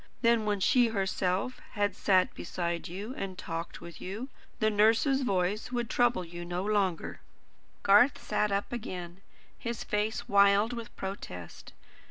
Then when she herself had sat beside you, and talked with you, the nurse's voice would trouble you no longer." Garth sat up again, his face wild with protest.